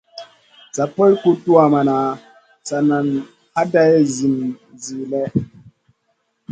Sa poy guʼ tuwmaʼna, sa nan haday zinzi lèh.